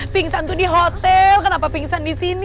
pingsan tuh di hotel kenapa pingsan disini